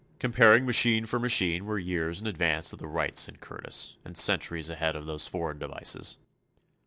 Comparing machine for machine, we're years in advance of the Wrights and Curtiss—and centuries ahead of those foreign devices."